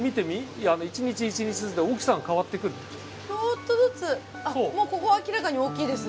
ちょっとずつあっもうここは明らかに大きいですね。